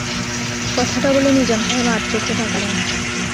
কথাটা বলে নিজাম সাহেব আড়চোখে তাকালেন।